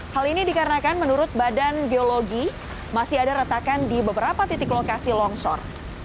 hal ini dikarenakan menurut badan geologi masih ada retakan di beberapa titik lokasi longsor